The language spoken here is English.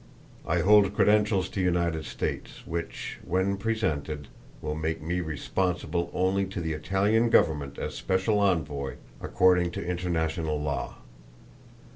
I hold credentials to United States, which, when presented, will make me responsible only to the Italian government as special envoy, according to international law.